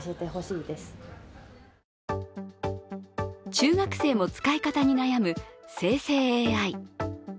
中学生も使い方に悩む生成ＡＩ。